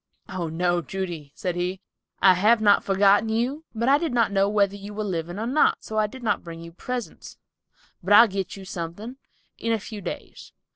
"Oh, no, Judy," said he, "I have not forgotten one of you, but I did not know whether you were living or not, so I did not bring you presents, but I'll get you something, in a few days.